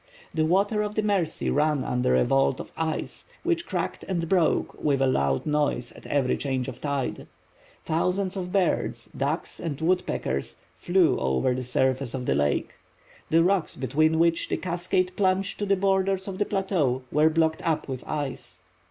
The waters of the Mercy ran under a vault of ice, which cracked and broke with a loud noise at every change of tide. Thousands of birds—ducks and wood peckers—flew over the surface of the lake. The rocks between which the cascade plunged to the borders of the Plateau were blocked up with ice.